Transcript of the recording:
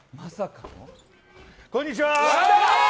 こんにちは。